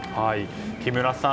木村さん